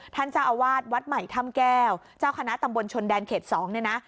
ท่านเจ้าอาวาสวัดใหม่ถ้ำแก้วเจ้าคณะตำบลชนแดนเขต๒เนี่ยนะ